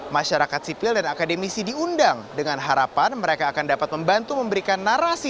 masyarakat sipil dan akademisi diundang dengan harapan mereka akan dapat membantu memberikan narasi